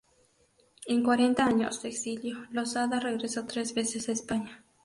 En cuarenta años de exilio, Losada regresó tres veces a España.